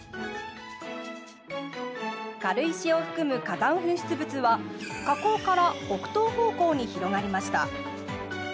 軽石を含む火山噴出物は火口から北東方向に広がりました。